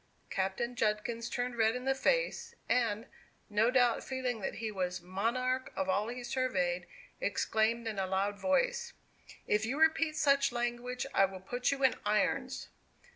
Captain Judkins turned red in the face; and, no doubt feeling that he was "monarch of all he surveyed," exclaimed, in a loud voice: "If you repeat such language, I will put you in irons."